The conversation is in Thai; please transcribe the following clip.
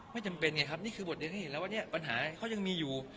ไม่จำเป็นไงครับนี่คือบทเรียนให้เห็นแล้วว่าเนี่ยปัญหาเขายังมีอยู่